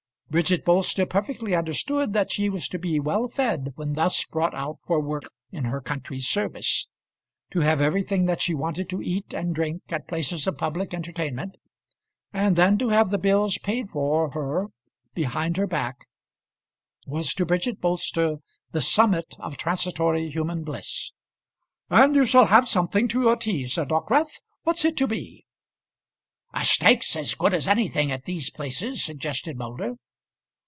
Bridget Bolster perfectly understood that she was to be well fed when thus brought out for work in her country's service. To have everything that she wanted to eat and drink at places of public entertainment, and then to have the bills paid for her behind her back, was to Bridget Bolster the summit of transitory human bliss. "And you shall have something to your tea," said Dockwrath. "What's it to be?" "A steak's as good as anything at these places," suggested Moulder.